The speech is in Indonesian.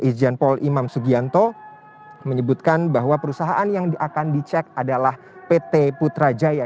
ijen paul imam sugianto menyebutkan bahwa perusahaan yang akan dicek adalah pt putrajaya